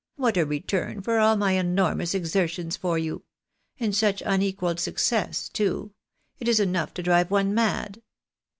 " What a return for all my enormous exertions for you ! And such unequalled success, too ! It is enough to drive one mad